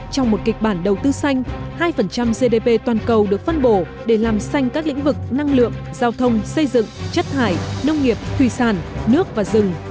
trong một kịch bản đầu tư xanh hai gdp toàn cầu được phân bổ để làm xanh các lĩnh vực năng lượng giao thông xây dựng chất thải nông nghiệp thủy sản nước và rừng